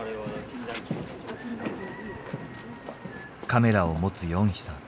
カメラを持つヨンヒさん。